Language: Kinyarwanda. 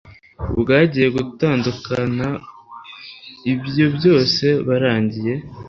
bwagiye gutandukana ibyo byose byarangiye